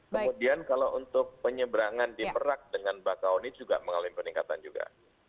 kemudian kalau untuk penyeberangan di merak dengan bakaoni juga mengalami peningkatan juga